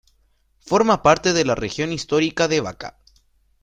Forma parte de la región histórica de Bačka.